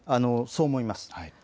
そう思います。